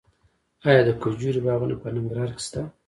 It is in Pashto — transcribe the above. آیا د کجورې باغونه په ننګرهار کې شته؟